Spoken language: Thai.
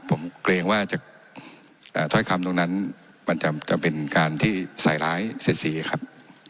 ผมเกรงว่าจะถ้อยคำตรงนั้นมันจะเป็นการที่ใส่ร้ายเสียดสีครับ